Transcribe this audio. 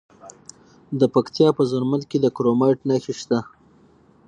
د پکتیا په زرمت کې د کرومایټ نښې شته.